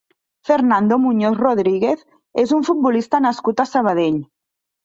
Fernando Muñoz Rodríguez és un futbolista nascut a Sabadell.